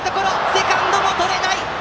セカンドもとれない！